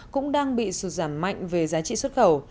cũng đang bị sụt giảm mạnh về giá trị xuất khẩu